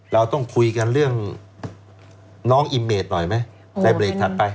เราต้องคุยกันเรื่องน้องอิมเมดหน่อยไหมในเบรกถัดไป